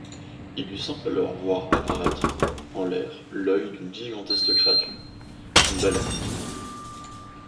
Il lui semble alors voir apparaître en l'air l'œil d'une gigantesque créature, une baleine.